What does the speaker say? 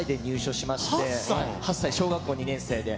８歳、小学校２年生で。